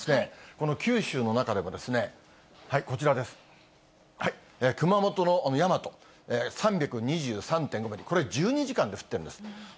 この九州の中でもこちらです、熊本の山と、３２３．５ミリ、これ、１２時間で降ってるんです。